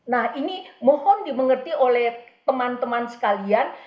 nah ini mohon dimengerti oleh teman teman sekalian